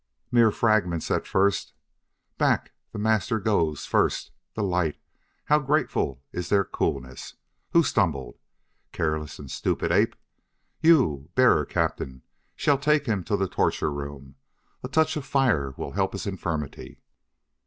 Mere fragments at first: "... back; the Master goes first!... The lights how grateful is their coolness!... Who stumbled? Careless and stupid ape! You, Bearer captain, shall take him to the torture room; a touch of fire will help his infirmity!"